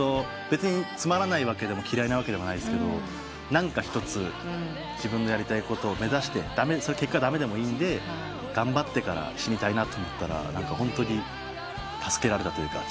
別につまらないわけでも嫌いなわけでもないですけど何か一つ自分のやりたいことを目指して結果駄目でもいいんで頑張ってから死にたいなと思ったらホントに助けられたというか。